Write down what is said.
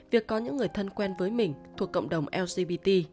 việc có những người thân quen với mình thuộc cộng đồng lgbt